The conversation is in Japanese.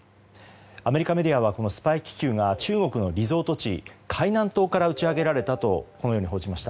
アメリカメディアはこのスパイ気球が中国のリゾート地海南島から打ち上げられたとこのように報じました。